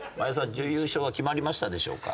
準優勝は決まりましたでしょうか？